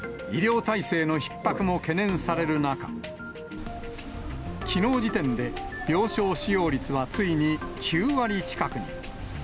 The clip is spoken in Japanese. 医療体制のひっ迫も懸念される中、きのう時点で、病床使用率はついに９割近くに。